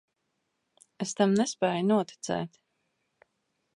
Es tam nespēju noticēt.